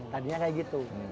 tadinya kayak gitu